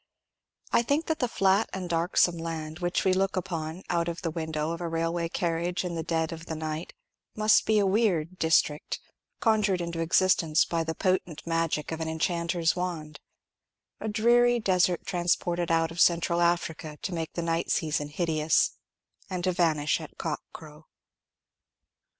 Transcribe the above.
I think that flat and darksome land which we look upon out of the window of a railway carriage in the dead of the night must be a weird district, conjured into existence by the potent magic of an enchanter's wand,—a dreary desert transported out of Central Africa, to make the night season hideous, and to vanish at cock crow.